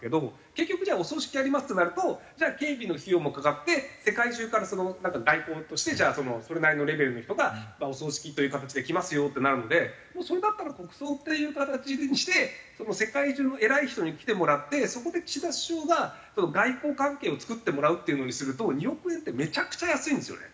結局じゃあお葬式やりますってなるとじゃあ警備の費用もかかって世界中から外交としてそれなりのレベルの人がお葬式という形で来ますよってなるのでそれだったら国葬っていう形にして世界中の偉い人に来てもらってそこで岸田首相が外交関係を作ってもらうっていうのにすると２億円ってめちゃくちゃ安いんですよね。